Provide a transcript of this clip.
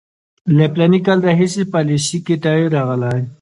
له فلاني کال راهیسې پالیسي کې تغییر راغلی.